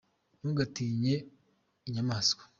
ntugatinye inyamanswa.